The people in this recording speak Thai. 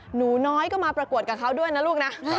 หนูน้อยก็มาประกวดกับเขาด้วยนะลูกนะ